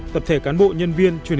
tập thể cán bộ nhân viên